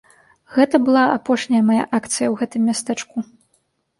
Гэта была апошняя мая акцыя ў гэтым мястэчку.